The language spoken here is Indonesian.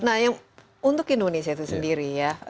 nah yang untuk indonesia itu sendiri ya